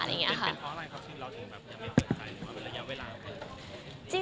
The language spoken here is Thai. เป็นเพราะอะไรครับที่เราถึงแบบยังไม่เปิดใจหรือว่าเวลาเปิดใจ